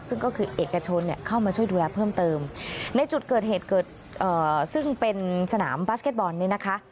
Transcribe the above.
ซึ่งก็คือเอกชนเนี่ยเข้ามาช่วยดูแลเพิ่มเติมในจุดเกิดเหตุเกิดซึ่งเป็นสนามบาสเก็ตบอลเนี่ยนะคะ